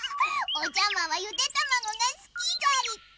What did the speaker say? おじゃまはゆでたまごがすきじゃり。